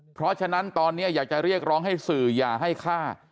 เพราะฉะนั้นตอนนี้อยากจะเรียกร้องให้สื่ออย่าให้ฆ่า